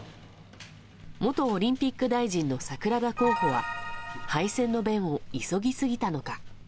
元オリンピック大臣の桜田候補は、敗戦の弁を急ぎ過ぎたのか。